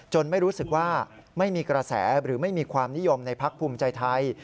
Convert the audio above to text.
ไม่รู้สึกว่าไม่มีกระแสหรือไม่มีความนิยมในพักภูมิใจไทย